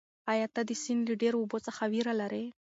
ایا ته د سیند له ډېرو اوبو څخه وېره لرې؟